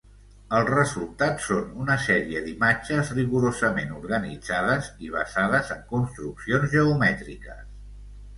El resultat són una sèrie d’imatges rigorosament organitzades i basades en construccions geomètriques.